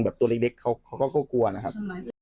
ตัวเล็กเขาก็กลัวนะครับ